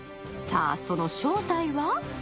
さあ、その正体は？